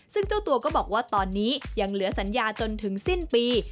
ซึ่งเจ้าตัวก็บอกว่าตอนนี้ยังเหลือสัญญาจนถึงสิ้นปี